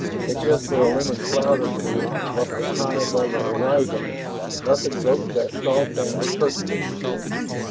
Except for a lemon cloud or two ruffled high above the horizon, nothing broke that soft amber curtain.